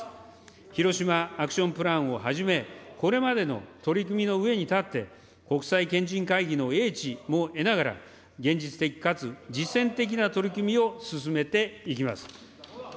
ヒロシマ・アクション・プランをはじめ、これまでの取り組みの上に立って、国際賢人会議の英知も得ながら、現実的かつ実践的な取り組みを進めていきます。